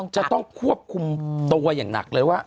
จะต้องควบคุมตัวอย่างหนักเลยว่า